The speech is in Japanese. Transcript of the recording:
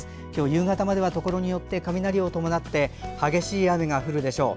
夕方まではところによって雷を伴って激しい雨が降るでしょう。